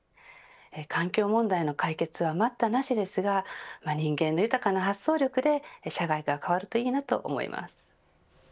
環境問題の解決は待ったなしですが人間の豊かな発想力で社会が変わるといいなと思います。